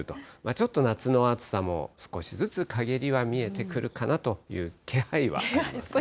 ちょっと夏の暑さも少しずつかげりは見えてくるかなという気配はありますね。